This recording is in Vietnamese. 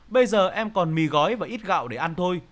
bây giờ em còn mì gói và ít gạo để ăn thôi